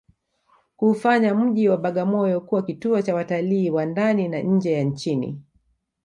kuufanya mji wa Bagamoyo kuwa kituo cha watalii wa ndani na nje ya nchini